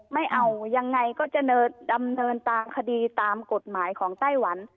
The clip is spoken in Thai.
ไม่เอายังไงก็จะดำเนินตามคดีตามกฎหมายของไต้หวัน